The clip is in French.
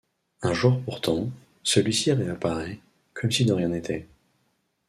Un jour pourtant, celui-ci réapparaît, comme si de rien n'était.